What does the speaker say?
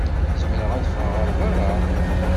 Zemreɣ ad ffɣeɣ ɣer beṛṛa?